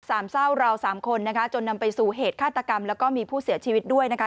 สามเศร้าเราสามคนนะคะจนนำไปสู่เหตุฆาตกรรมแล้วก็มีผู้เสียชีวิตด้วยนะคะ